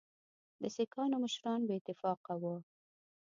د سیکهانو مشران بې اتفاقه وه.